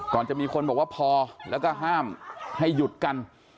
ก่อนจะมีคนบอกว่าพอแล้วก็ห้ามให้หยุดกัน